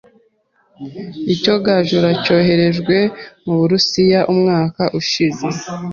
Icyogajuru cyoherejwe mu Burusiya umwaka ushize.